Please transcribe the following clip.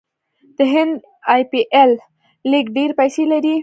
د هند ای پي ایل لیګ ډیرې پیسې لري.